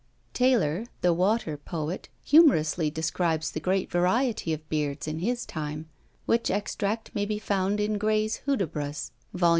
Taylor, the water poet, humorously describes the great variety of beards in his time, which extract may be found in Grey's Hudibras, Vol.